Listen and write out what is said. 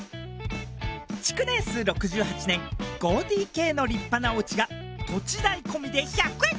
築年数６８年５ＤＫの立派なおうちが土地代込みで１００円！